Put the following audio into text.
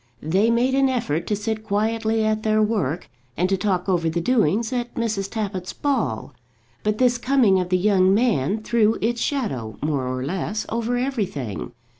They made an effort to sit quietly at their work, and to talk over the doings at Mrs. Tappitt's ball; but this coming of the young man threw its shadow, more or less, over everything.